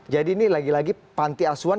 jadi ini lagi lagi panti asuhan